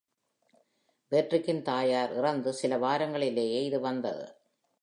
பேட்ரிக்கின் தாயார் இறந்து சில வாரங்களிலேயே இது வந்தது.